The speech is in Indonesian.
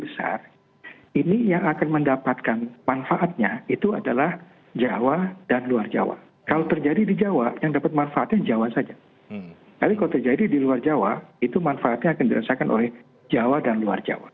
tapi kalau terjadi di luar jawa itu manfaatnya akan dirasakan oleh jawa dan luar jawa